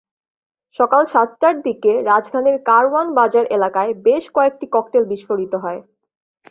সকাল সাতটার দিকে রাজধানীর কারওয়ান বাজার এলাকায় বেশ কয়েকটি ককটেল বিস্ফোরিত হয়।